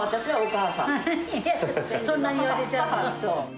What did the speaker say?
そんなに言われちゃうと。